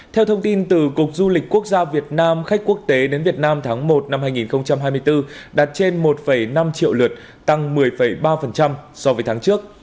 theo thông tin từ cục du lịch quốc gia việt nam khách quốc tế đến việt nam tháng một năm hai nghìn hai mươi bốn đạt trên một năm triệu lượt tăng một mươi ba so với tháng trước